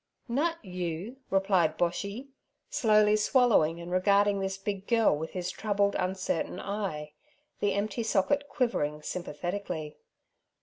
'Nut you' replied Boshy, slowly swallowing, and regarding this big girl with his troubled, uncertain eye, the empty socket quivering sympathetically.